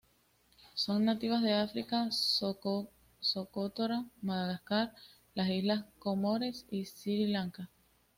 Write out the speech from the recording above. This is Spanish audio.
Son nativas de África, Socotora, Madagascar, las Islas Comores y Sri Lanka.